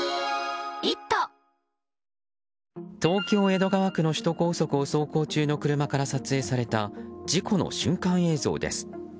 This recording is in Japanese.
東京・江戸川区の首都高速を走行中の車から撮影された事故の瞬間映像です。